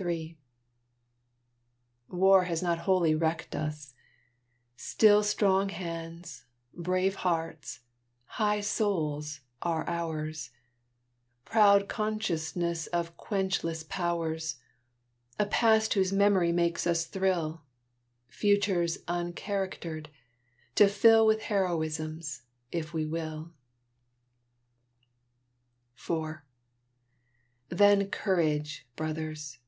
III War has not wholly wrecked us: still Strong hands, brave hearts, high souls are ours Proud consciousness of quenchless powers A Past whose memory makes us thrill Futures uncharactered, to fill With heroisms if we will. IV Then courage, brothers!